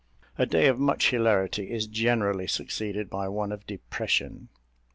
A day of much hilarity is generally succeeded by one of depression.